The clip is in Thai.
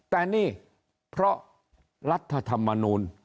แต่นี่เพราะรัฐธรรมนูล